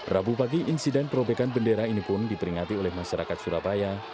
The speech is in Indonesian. rabu pagi insiden perobekan bendera ini pun diperingati oleh masyarakat surabaya